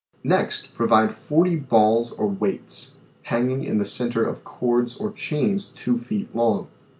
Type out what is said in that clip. Next provide 40 balls or weights, hanging in the center of cords or chains two feet long.